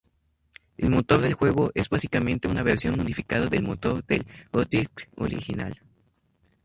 El motor del juego es básicamente una versión modificada del motor del Gothic original.